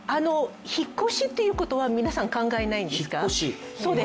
引っ越しということは皆さん考えないんですか？